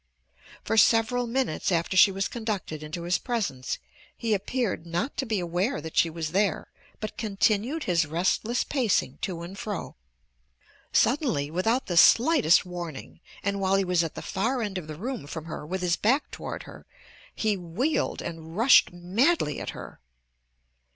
For several minutes after she was conducted into his presence he appeared not to be aware that she was there but continued his restless pacing to and fro. Suddenly, without the slightest warning, and while he was at the far end of the room from her with his back toward her, he wheeled and rushed madly at her.